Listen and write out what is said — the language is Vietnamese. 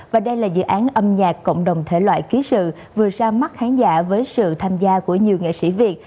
và đây là dự án âm nhạc cộng đồng thể loại ký sự vừa ra mắt khán giả với sự tham gia của nhiều nghệ sĩ việt